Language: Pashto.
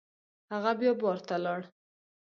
هغه بیا بار ته لاړ.